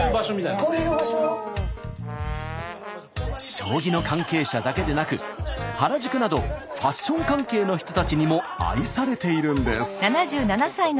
将棋の関係者だけでなく原宿などファッション関係の人たちにも愛されているんです。